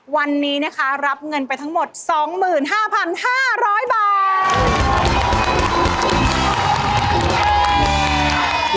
วันนี้นะคะรับเงินไปทั้งหมด๒๕๕๐๐บาท